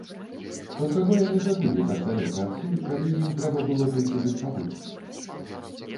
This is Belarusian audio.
То чаго яны забрылі так далёка адсюль, калі ім трэба было толькі тут пабыць?